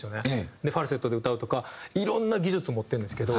ファルセットで歌うとかいろんな技術を持ってるんですけど。